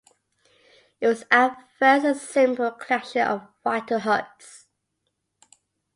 It was at first a simple collection of wattle huts.